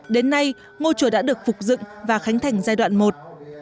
đến nay ngôi chùa đã được phục dựng và khánh thành giai đoạn một